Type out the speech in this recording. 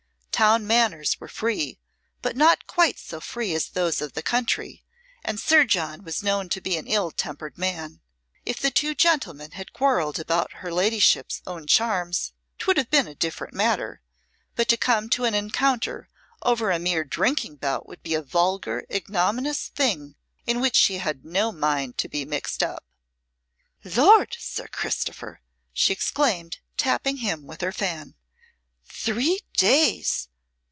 Town manners were free, but not quite so free as those of the country, and Sir John was known to be an ill tempered man. If the two gentlemen had quarrelled about her ladyship's own charms 'twould have been a different matter, but to come to an encounter over a mere drinking bout would be a vulgar, ignominious thing in which she had no mind to be mixed up. "Lord, Sir Christopher," she exclaimed, tapping him with her fan. "Three days!